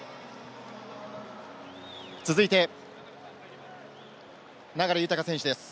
続いて流大選手です。